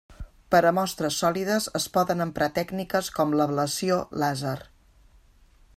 Per a mostres sòlides es poden emprar tècniques com l'ablació làser.